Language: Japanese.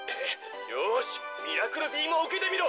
「よしミラクルビームをうけてみろ」。